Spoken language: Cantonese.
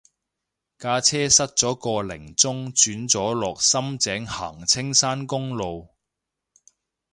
架車塞咗個零鐘轉咗落深井行青山公路